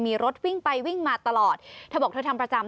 มีรถวิ่งไปวิ่งมาตลอดเธอบอกเธอทำประจำ